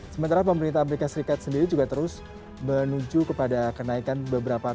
sementara pemerintah amerika serikat sendiri juga terus menuju kepada kenaikan beberapa